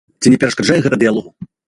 Ці не перашкаджае гэта дыялогу?